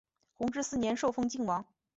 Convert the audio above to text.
弘治四年受封泾王。